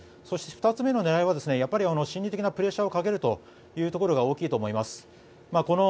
そして２つ目の狙いは心理的なプレッシャーをかけるところが大きいと思います。